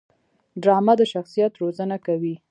ډرامه د شخصیت روزنه کوي